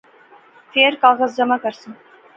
فیر کاغذ جمع کراساں